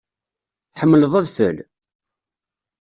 Tḥemmleḍ adfel?